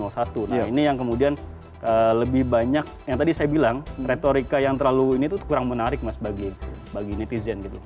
nah ini yang kemudian lebih banyak yang tadi saya bilang retorika yang terlalu ini tuh kurang menarik mas bagi netizen gitu